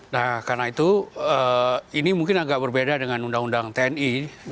nah karena itu ini mungkin agak berbeda dengan undang undang tni